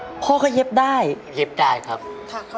ชอบผ้าพ่อที่พ่อนั่งเย็บจักรอะ